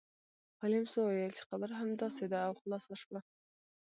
هولمز وویل چې خبره همداسې ده او خلاصه شوه